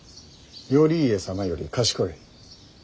頼家様より賢い。